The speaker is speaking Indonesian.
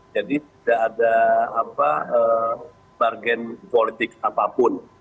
jadi tidak ada bargen politik apapun